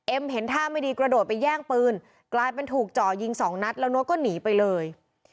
เห็นท่าไม่ดีกระโดดไปแย่งปืนกลายเป็นถูกจ่อยิงสองนัดแล้วโน้ตก็หนีไปเลย